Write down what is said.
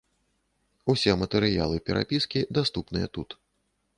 Усе матэрыялы перапіскі даступныя тут.